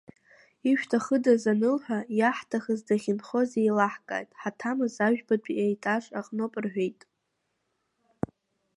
Ишәҭахыдаз анылҳәа, иаҳҭахыз дахьынхоз еилаҳкааит, ҳаҭамыз, ажәбатәи аетаж аҟноуп, рҳәеит.